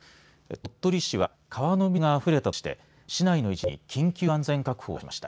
鳥取市は川の水があふれたとして市内の一部に緊急安全確保を出しました。